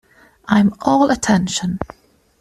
I am all attention.